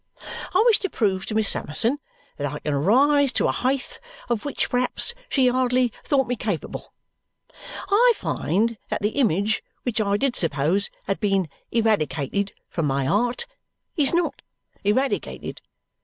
I wish to prove to Miss Summerson that I can rise to a heighth of which perhaps she hardly thought me capable. I find that the image which I did suppose had been eradicated from my 'eart is NOT eradicated.